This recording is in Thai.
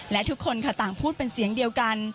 และทุกคนค่ะต่างพูดเป็นเสียงเดียวกัน